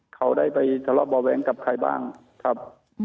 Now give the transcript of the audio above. เขาได้ไปสวบบาวแว้งกับใครบ้างครับ